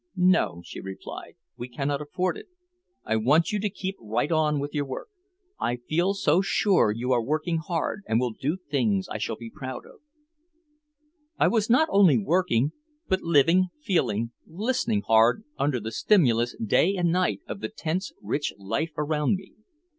"No," she replied, "we cannot afford it. I want you to keep right on with your work. I feel so sure you are working hard and will do things I shall be proud of." I was not only working, but living, feeling, listening hard, under the stimulus day and night of the tense, rich life around me.